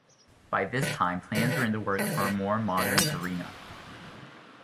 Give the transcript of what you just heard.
By this time, plans were in the works for a more modern arena.